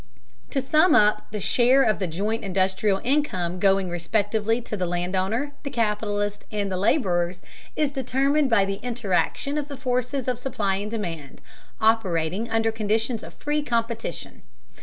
To sum up, the share of the joint industrial income going respectively to the land owner, the capitalist, and the laborers is determined by the interaction of the forces of supply and demand, operating under conditions of free competition.